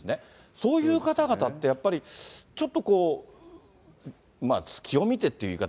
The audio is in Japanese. そういう方々って、やっぱり、ちょっとこう、隙を見てっていう言い方